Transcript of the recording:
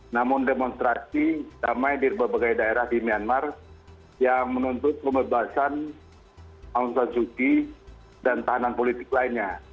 namun demonstrasi damai di berbagai daerah di myanmar yang menuntut pembebasan aung sanzuki dan tahanan politik lainnya